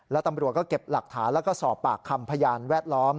แล้วตำรวจก็เก็บหลักฐานแล้วก็สอบปากคำพยานแวดล้อม